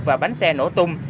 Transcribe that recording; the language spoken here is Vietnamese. và bánh xe nổ tung